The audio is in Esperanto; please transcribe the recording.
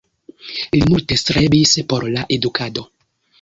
Li multe strebis por la edukado.